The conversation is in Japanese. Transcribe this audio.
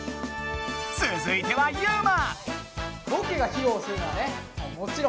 つづいてはユウマ！